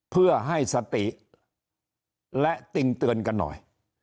เพื่อให้สติและติ่งเตือนกันหน่อย